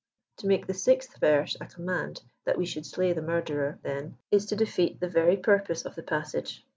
To make the 6th verse a command that we should slay the murderer, then, is to defeat the very purpose of the passage.